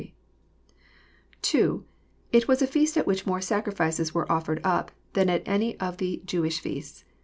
(jfe) It was a feast at which more sacrifices were offered up than at any of the Jewish feasts.